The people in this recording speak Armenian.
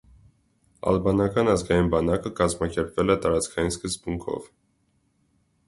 Ալբանական ազգային բանակը կազմակերպվել է տարածքային սկզբունքով։